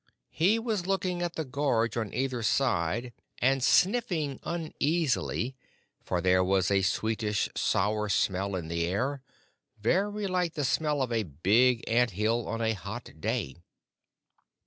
He was looking at the gorge on either side and sniffing uneasily, for there was a sweetish sourish smell in the air, very like the smell of a big ant hill on a hot day.